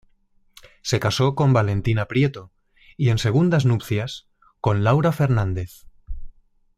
Se casó con Valentina Prieto y en segundas nupcias con Laura Fernández.